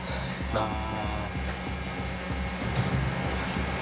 ああ。